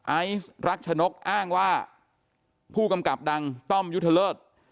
ไอซ์รักชนกอ้างว่าผู้กำกับดังต้อมยุทธเลิศ